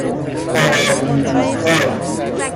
آرمیتا